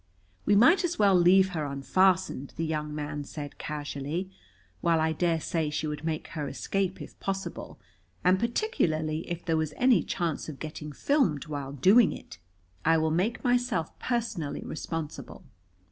"We might as well leave her unfastened," the young man said casually. "While I dare say she would make her escape if possible, and particularly if there was any chance of getting filmed while doing it, I will make myself personally responsible."